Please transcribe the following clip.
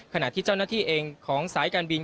ขณะที่เจ้าหน้าที่เองของสายการบิน